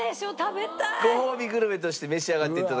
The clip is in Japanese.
ごほうびグルメとして召し上がって頂きます。